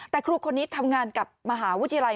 แต่ครูคนนี้ทำงานกับมหาวิทยาลัย